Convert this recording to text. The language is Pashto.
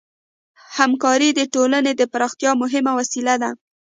همکاري د ټولنې د پراختیا مهمه وسیله ده.